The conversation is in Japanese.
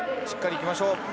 しっかりいきましょう。